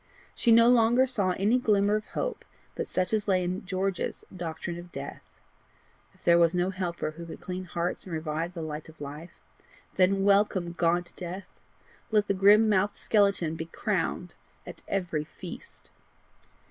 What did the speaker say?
She no longer saw any glimmer of hope but such as lay in George's doctrine of death. If there was no helper who could clean hearts and revive the light of life, then welcome gaunt death! let the grim mouthed skeleton be crowned at every feast!